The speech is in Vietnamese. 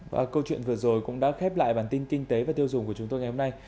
và câu chuyện vừa rồi cũng đã khép lại bản tin kinh tế và tiêu dùng của chúng tôi ngày hôm nay